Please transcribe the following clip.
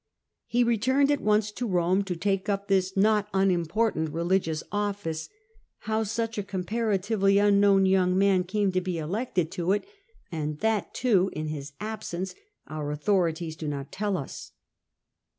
He returned at once to Borne to take up this not unimportant religious office ; how such a comparatively unknown young man came to be elected to it, and that too in his absence, our authorities do not tell us.